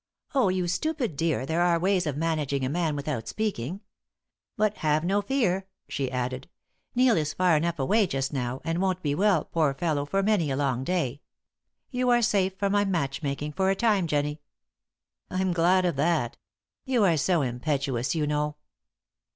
Oh, you stupid dear, there are ways of managing a man without speaking. But have no fear," she added, "Neil is far enough away just now, and won't be well, poor fellow, for many a long day. You are safe from my match making for a time, Jennie." "I'm glad of that. You are so impetuous, you know."